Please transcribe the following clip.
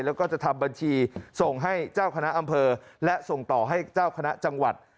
แล้วก็จะทำบัญชีส่งให้เจ้าคณะอำเภอและส่งต่อให้เจ้าคณะจังหวัด